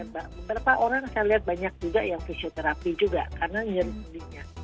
beberapa orang saya lihat banyak juga yang fisioterapi juga karena nyeri sullingnya